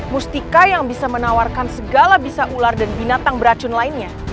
mustika yang bisa menawarkan segala bisa ular dan binatang beracun lainnya